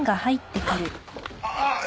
あっ！